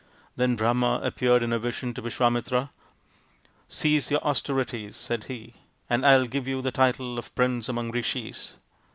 Then Brahma appeared in a vision to Visvamitra. "Cease your austerities," said he, " and I will give you the title of Prince among Rishis."